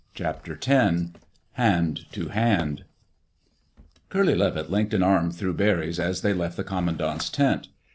CHAPTER TEN HAND TO HAND Curly Levitt linked an arm through Barry's as they left the commandant's tent.